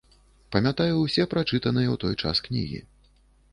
Памятаю ўсе прачытаныя ў той час кнігі.